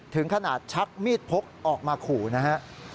ถึงขนาดชักมีดพกออกมาขู่นะฮะ